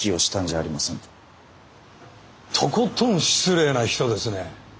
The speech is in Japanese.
とことん失礼な人ですね。